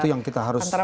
ya itu yang kita harus